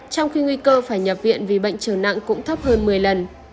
trong khi nguy cơ phải nhập viện vì bệnh trở nặng cũng thấp hơn một mươi lần